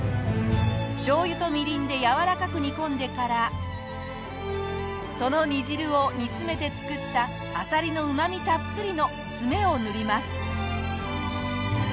しょうゆとみりんでやわらかく煮込んでからその煮汁を煮詰めて作ったアサリのうまみたっぷりのツメを塗ります。